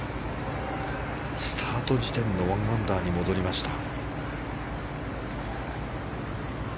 スタート時点の１アンダーに戻りました。